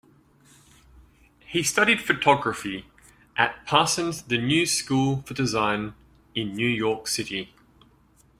He studied photography at Parsons The New School for Design in New York City.